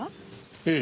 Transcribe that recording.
ええ。